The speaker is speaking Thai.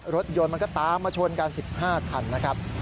รถยนต์มันก็ตามมาชนกัน๑๕คันนะครับ